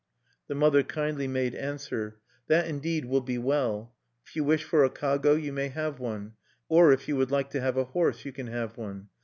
The mother kindly made answer: "That, indeed, will be well. If you wish for a kago, you may have one; or if you would like to have a horse, you can have one.